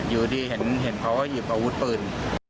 อยู่ดีเห็นเขาก็หยิบอาวุธปืน